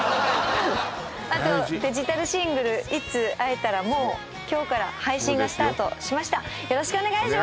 あとデジタルシングル「いつ逢えたら」も今日から配信がスタートしましたよろしくお願いします